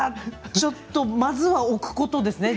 ちょっと、まずは置くことですね。